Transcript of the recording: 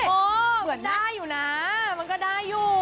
เหมือนได้อยู่นะมันก็ได้อยู่